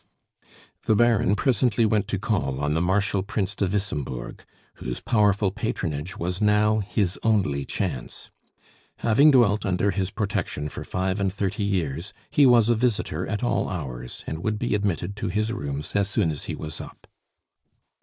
The Baron presently went to call on the Marshal Prince de Wissembourg, whose powerful patronage was now his only chance. Having dwelt under his protection for five and thirty years, he was a visitor at all hours, and would be admitted to his rooms as soon as he was up.